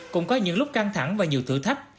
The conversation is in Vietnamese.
cũng có những lúc căng thẳng và nhiều thử thách